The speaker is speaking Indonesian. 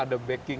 hanya untuk jepang